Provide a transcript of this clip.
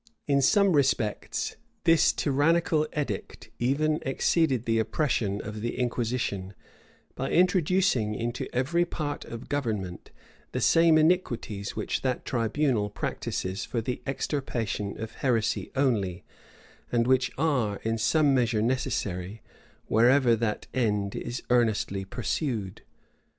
[*] In some respects this tyrannical edict even exceeded the oppression of the inquisition, by introducing into every part of government the same iniquities which that tribunal practises for the extirpation of heresy only, and which are in some measure necessary, wherever that end is earnestly pursued.